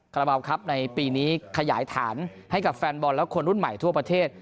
ราบาลครับในปีนี้ขยายฐานให้กับแฟนบอลและคนรุ่นใหม่ทั่วประเทศ